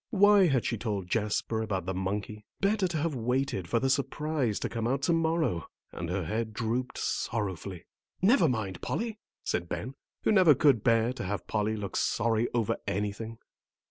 Why had she told Jasper about the monkey? Better to have waited for the surprise to come out to morrow. And her head drooped sorrowfully. "Never mind, Polly," said Ben, who never could bear to have Polly look sorry over anything.